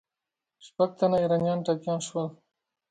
شپږ تنه ایرانیان ټپیان سول.